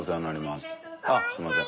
すみません。